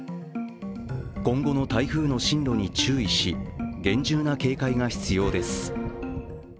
今後の台風の進路に注意し厳重な警戒が必要です。